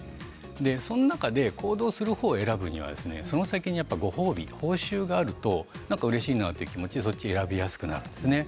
その中で行動するほうを選ぶにはその先にご褒美、報酬があるとうれしいなという気持ちでそちらを選びやすくなる。